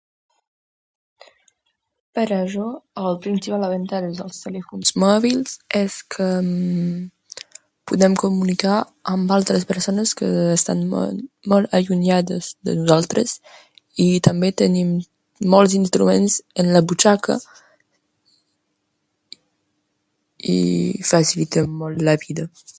La principal avantatge dels telèfons mòbils és poder comunicar-nos amb persones que estan molt allunyades de nosaltres, i també tenim molts instruments a la butxaca, cosa que facilita molt la vida.